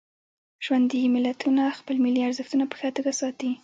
ژوندي ملتونه خپل ملي ارزښتونه په ښه توکه ساتي.